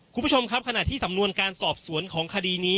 คุณผู้ชมครับขณะที่สำนวนการสอบสวนของคดีนี้